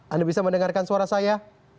anda bisa mendengarkan suara saya